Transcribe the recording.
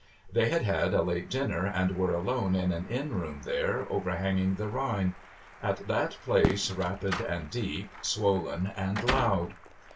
They had had a late dinner, and were alone in an inn room there, overhanging the Rhine : at that place rapid and deep, swollen and loud.